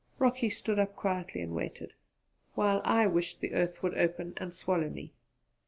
Rocky stood up quietly and waited, while I wished the earth would open and swallow me.